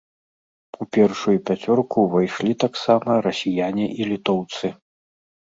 У першую пяцёрку ўвайшлі таксама расіяне і літоўцы.